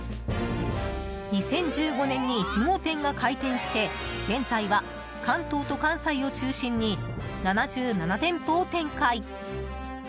２０１５年に１号店が開店して現在は関東と関西を中心に７７店舗を展開。